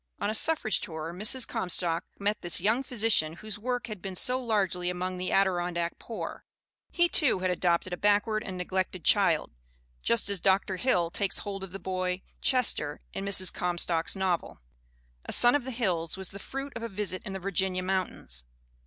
On a suffrage tour Mrs. Comstock met this young physician whose work had been so largely among the Adirondack poor. He, too, had adopted a backward and neglected child, just as Dr. Hill takes hold of the boy Chester in Mrs. Corn stock's novel. A Son of the Hills was the fruit of a visit in the Virginia mountains.